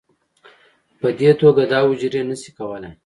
په دې توګه دا حجرې نه شي کولی